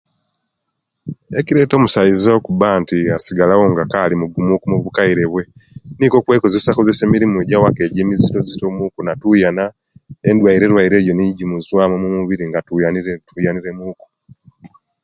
Ekirta omusaiza okuba nti asigalawo nga akili mugumu mubukaire nikwo okwekozesa kozesya emirimu ejo ejawaika emizito emizito nabona nti natuyana endwaire endwaire ejo nijimuzuwa mu mumubiri nga atuyanire atuyanire muku